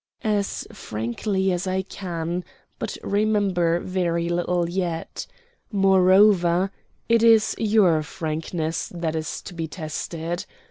"As frankly as I can, but remember very little yet. Moreover, it is your frankness that is to be tested.